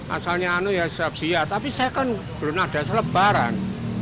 asalnya anu ya sebiar tapi saya kan belum ada selebaran